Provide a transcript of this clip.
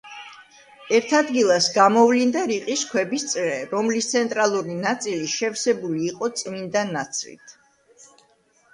ერთ ადგილას გამოვლინდა რიყის ქვების წრე, რომლის ცენტრალური ნაწილი შევსებული იყო წმინდა ნაცრით.